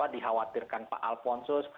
dikhawatirkan pak alponsus